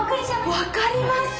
分かります。